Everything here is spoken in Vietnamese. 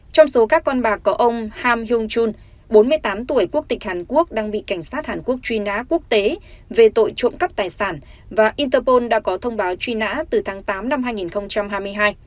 trong số các con bạc có ông ham yung chun bốn mươi tám tuổi quốc tịch hàn quốc đang bị cảnh sát hàn quốc truy nã quốc tế về tội trộm cắp tài sản và interpol đã có thông báo truy nã từ tháng tám năm hai nghìn hai mươi hai